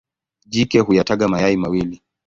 Jike huyataga mayai mawili.